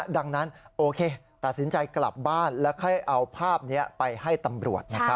ดังนั้นโอเคตัดสินใจกลับบ้านแล้วค่อยเอาภาพนี้ไปให้ตำรวจนะครับ